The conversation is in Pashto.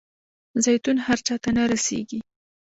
زیتون هر چاته نه رسیږي.